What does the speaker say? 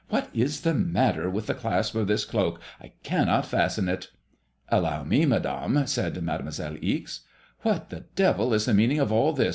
What is the matter with the clasp of this cloak ? I can not fasten it." "Allow me, Madame," said Mademoiselle Ixe. " What the devil is the mean ing of all this?"